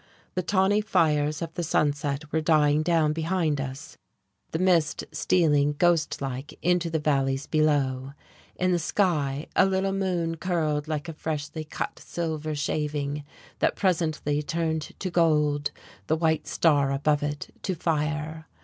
The tawny fires of the sunset were dying down behind us, the mist stealing, ghostlike, into the valleys below; in the sky a little moon curled like a freshly cut silver shaving, that presently turned to gold, the white star above it to fire.